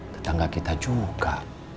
tetangga kita juga